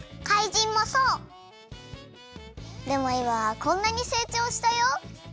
でもいまはこんなにせいちょうしたよ。